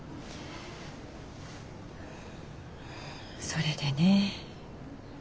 それでね。